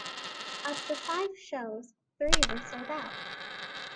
Of the five shows, three were sold out.